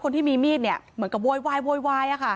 คนที่มีมีดเหมือนกับโวยวายโวยวาย